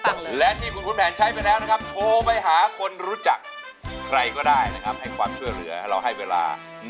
อย่างที่เพราะเป็นการซื้อขายเป็นค่าก็เรียกว่าสินสอดทองม่านโบราณ